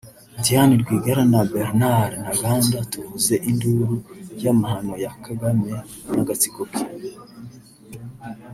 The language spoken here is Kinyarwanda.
Diane Rwigara na Bernard Ntaganda tuvuze induru y’amahano ya Kagamé n’agatsiko ke